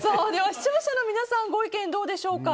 視聴者の皆さんご意見、どうでしょうか。